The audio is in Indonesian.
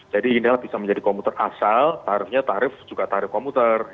jadi ini bisa menjadi komuter asal tarifnya juga tarif komuter